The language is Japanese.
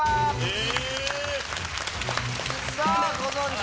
え！